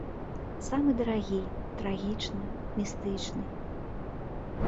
Самы дарагі, трагічны, містычны.